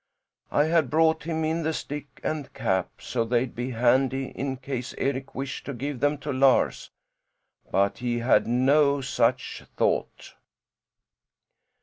I had brought him in the stick and cap so they'd be handy in case Eric wished to give them to Lars; but he had no such thought."